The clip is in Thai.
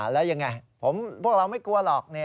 แล้วยังไงพวกเราไม่กลัวหรอก